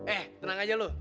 eh tenang aja lu